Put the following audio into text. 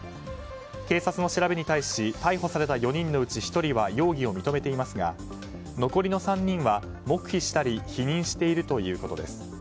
警察の調べに対し逮捕された４人のうち１人は容疑を認めていますが残りの３人は黙秘したり否認しているということです。